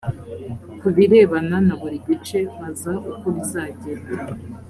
ku birebana na buri gice baza uko bizagenda